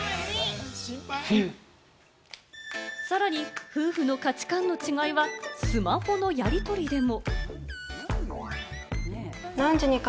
さらに夫婦の価値観の違いはスマホのやり取りでも。